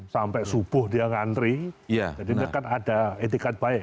sampai subuh dia ngantri jadi ini kan ada etikat baik